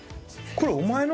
これお前の？